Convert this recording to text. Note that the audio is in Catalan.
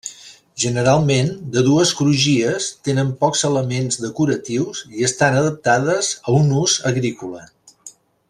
Generalment de dues crugies, tenen pocs elements decoratius i estan adaptades a un ús agrícola.